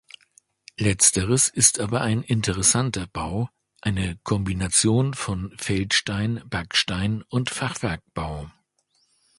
Letzteres ist aber ein interessanter Bau, eine Kombination von Feldstein-, Backstein- und Fachwerkbau.